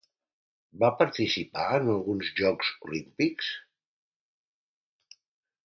Va participar en alguns Jocs Olímpics?